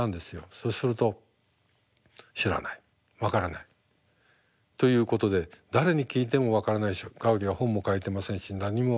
そうすると「知らない分からない」ということで誰に聞いても分からないしガウディは本も書いてませんし何も分からない。